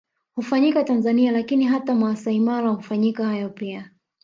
Hufanyika Tanzania lakini pia hata Maasai Mara hufanyika hayo pia